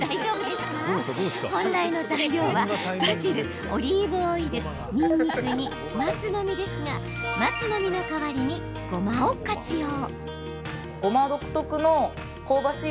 本来の材料はバジル、オリーブオイルにんにくに松の実ですが松の実の代わりに、ごまを活用。